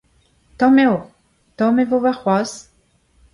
Tomm eo - Tomm e vo warc'hoazh.